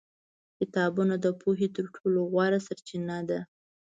کتابونه د پوهې تر ټولو غوره سرچینه دي.